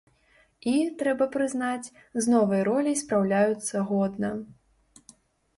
І, трэба прызнаць, з новай роляй спраўляюцца годна.